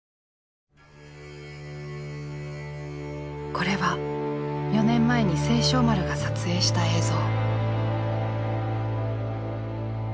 これは４年前に盛勝丸が撮影した映像。